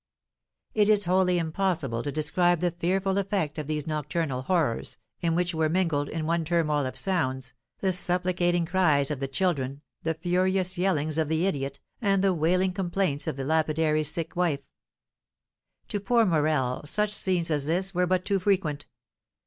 It is wholly impossible to describe the fearful effect of these nocturnal horrors, in which were mingled, in one turmoil of sounds, the supplicating cries of the children, the furious yellings of the idiot, and the wailing complaints of the lapidary's sick wife. To poor Morel such scenes as this were but too frequent.